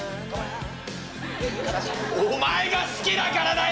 「お前が好きだからだよ！」。